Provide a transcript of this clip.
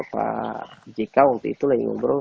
pak jk waktu itu lagi ngobrol